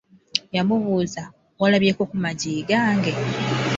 Yamubuuza, walabyeko ku maggi gange?